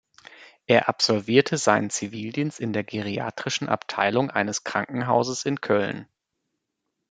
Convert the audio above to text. Er absolvierte seinen Zivildienst in der geriatrischen Abteilung eines Krankenhauses in Köln.